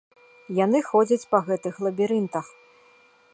Яны ходзяць па гэтых лабірынтах.